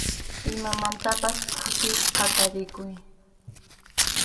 Imamantapas phutisqa tarikuy.